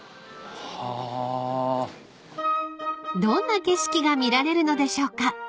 ［どんな景色が見られるのでしょうか］